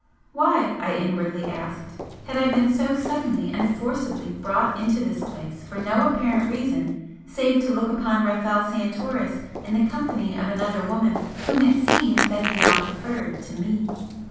Why, I inwardly asked, had I been so suddenly and forcibly brought into this place for no apparent reason save to look upon Rafel Santoris in the company of another woman whom it seemed that he now preferred to me?